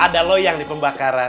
ada loyang di pembakaran